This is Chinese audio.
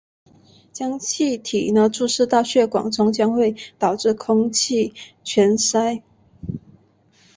将气体注射到血管中将会导致空气栓塞。